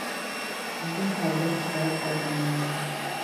از این هوای سرد بدم می آید.